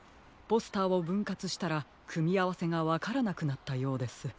ポスターをぶんかつしたらくみあわせがわからなくなったようです。